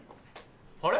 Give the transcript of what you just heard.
あれ？